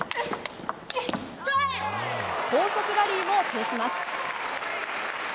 高速ラリーも制します。